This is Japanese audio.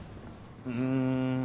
うん。